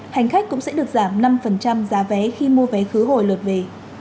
hành khách cũng sẽ được giảm năm giá vé khi mua vé khứ hồi lượt về